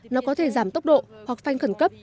nó có thể giảm tốc độ hoặc phanh khẩn cấp